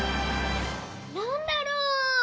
なんだろう？うお。